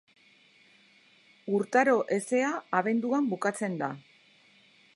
Urtaro hezea abenduan bukatzen da.